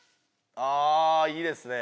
あいいですね。